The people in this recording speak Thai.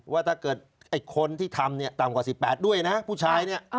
ว่าถ้าเกิดคนที่ทำต่ำกว่า๑๘ด้วยนะผู้ชายนี่